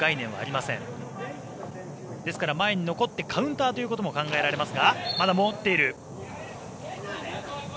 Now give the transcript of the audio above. ですから、前に残ってカウンターも考えられます。